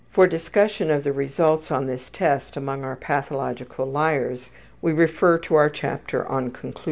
For discussion of the results on this test among our pathological liars we refer to our chapter on conclusions.